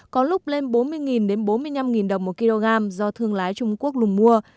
có lúc lên bốn mươi bốn mươi năm đồng một kg do thương lái trung quốc lùng mua